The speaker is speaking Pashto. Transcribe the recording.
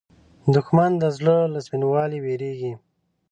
دښمن د زړه له سپینوالي وېرېږي